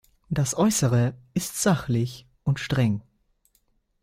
Das Äussere ist sachlich und streng.